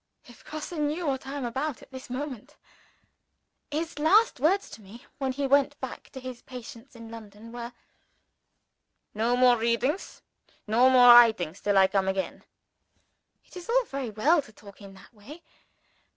If Grosse knew what I am about at this moment! His last words to me, when he went back to his patients in London, were: "No more readings! no more writings till I come again!" It is all very well to talk in that way.